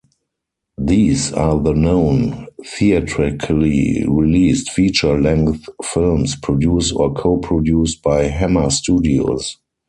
These are the known, theatrically released, feature-length films produced or co-produced by Hammer Studios.